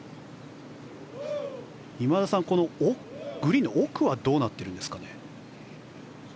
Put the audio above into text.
今田さん、グリーンの奥はどうなっているんですかね。